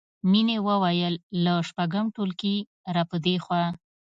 مینې وویل له شپږم ټولګي راپدېخوا